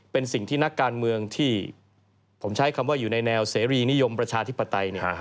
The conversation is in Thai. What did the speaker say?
เป็นสิ่งที่นักการเมืองที่ผมใช้คำว่าอยู่ในแนวเสรีนิยมประชาธิปไตย